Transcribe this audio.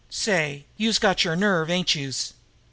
"Say, youse've got yer nerve, ain't youse!"